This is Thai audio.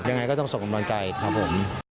ยังไงก็ต้องส่งกำลังใจครับผม